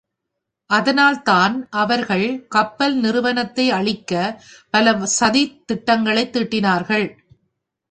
அதனால்தான் அவர்கள் கப்பல் நிறுவனத்தை அழிக்கப் பலசதித் திட்டங்களைத் தீட்டினார்கள்.